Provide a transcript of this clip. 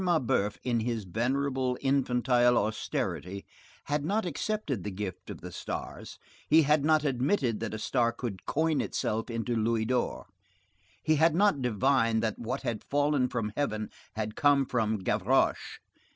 Mabeuf, in his venerable, infantile austerity, had not accepted the gift of the stars; he had not admitted that a star could coin itself into louis d'or. He had not divined that what had fallen from heaven had come from Gavroche.